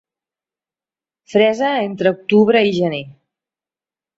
Fresa entre octubre i gener.